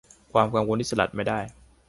ความกังวลที่สลัดไม่ได้